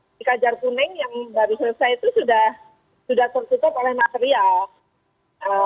di kajar kuning yang baru selesai itu sudah tertutup oleh material